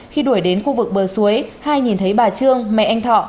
khi đuổi đến khu vực bờ suối hai nhìn thấy bà trương mẹ anh thọ